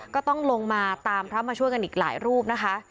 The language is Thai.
ก็ต้องลงมาตามพระมาช่วยกันอีกหลายรูปนะคะ